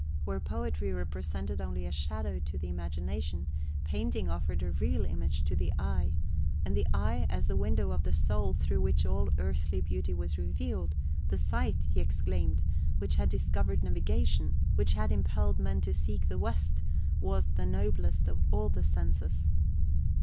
Where poetry presented only a shadow to the imagination, painting offered a real image to the eye; and the eye, as the window of the soul through which all earthly beauty was revealed, the sight, he exclaimed, which had discovered navigation, which had impelled men to seek the West, was the noblest of all the senses.